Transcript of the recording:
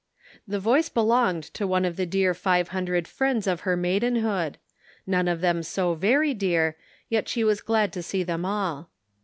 The voice belonged to one of the deal five hundred friends of her maidenhood ; none of them so very dear, yet she was glad to see them all.